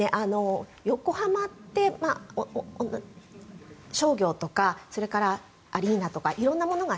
横浜って商業とかそれから、アリーナとか色んなものが